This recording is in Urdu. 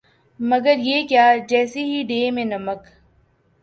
مگر یہ کیا جیس ہی ڈے میں نمک